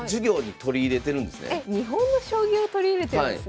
日本の将棋を取り入れてるんですね。